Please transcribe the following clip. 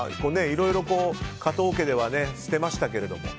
いろいろ加藤家では捨てましたけども。